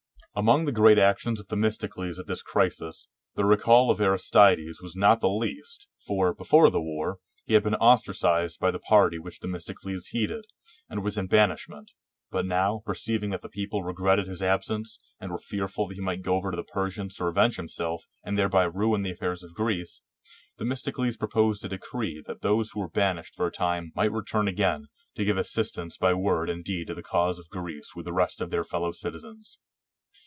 Among the great actions of Themistocles at this crisis, the recall of Aristides was not the least, for, before the war, he had been ostracized by the party which Themistocles headed, and was in banishment ; but now, perceiving that the people regretted his absence, and were fearful that he might go over to the Persians to revenge himself, and thereby ruin the affairs of Greece, Themistocles proposed a decree that those who were banished for a time might return again, to give assist 114 1 THE BATTLE OF SALAMIS ance by word and deed to the cause of Greece with the rest of their fellow citizens.